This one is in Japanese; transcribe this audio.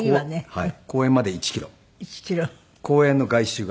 はい。